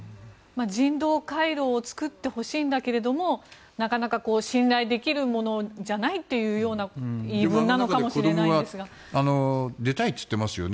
人道回廊を作ってほしいんだけれどもなかなか信頼できるものじゃないというような言い分なのかもしれないですが。